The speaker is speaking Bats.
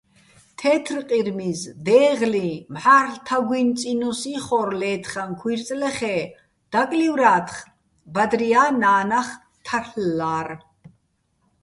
თეთრყირმიზ, დეღლიჼ, მჵა́რლ' თაგუჲნი̆ წინუს იხორ ლე́თხაჼ ქუჲრწლეხ-ე́, დაკლივრა́თხ, ბადრია́ ნა́ნახ თარლ'ლა́რ.